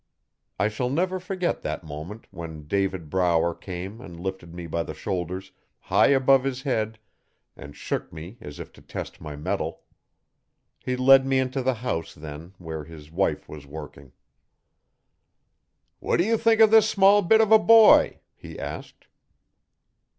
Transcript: I shall never forget that moment when David Brower came and lifted me by the shoulders, high above his head, and shook me as if to test my mettle. He led me into the house then where his wife was working. 'What do you think of this small bit of a boy?' he asked.